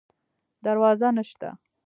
دروازه نشته